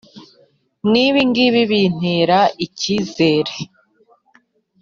n’ibi ngibi bintera icyizere: